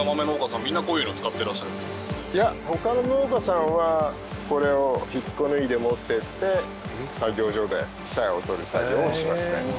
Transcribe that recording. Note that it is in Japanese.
いや他の農家さんはこれを引っこ抜いて持っていって作業所でサヤをとる作業をしますね。